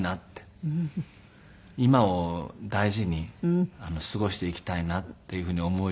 今を大事に過ごしていきたいなっていうふうに思うように。